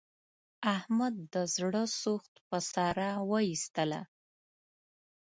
احمد د زړه سوخت په ساره و ایستلا.